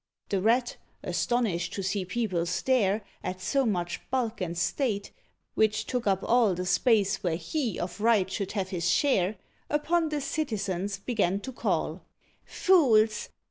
The Rat, astonished to see people stare At so much bulk and state, which took up all The space where he of right should have his share, Upon the citizens began to call: "Fools!